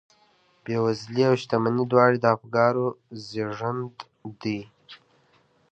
بېوزلي او شتمني دواړې د افکارو زېږنده دي